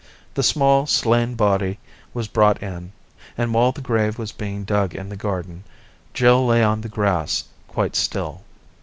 The small slain body was brought in, and while the grave was being dug in the garden, Jill lay on the grass, quite still.